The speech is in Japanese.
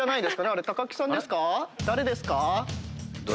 誰ですか？